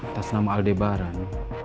atas nama aldebaran